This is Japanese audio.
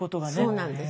そうなんです。